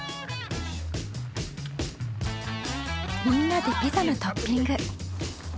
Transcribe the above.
みんなでピザのトッピング。